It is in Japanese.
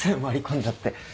割り込んじゃって。